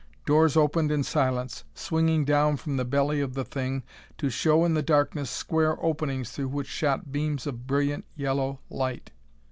Doors opened in silence, swinging down from the belly of the thing to show in the darkness square openings through which shot beams of brilliant yellow light.